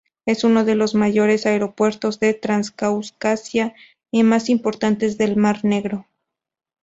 Es uno de los mayores aeropuertos de Transcaucasia, y más importantes del Mar Negro.